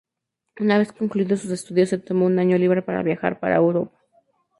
Una vez concluidos sus estudios, se tomó un año libre para viajar por Europa.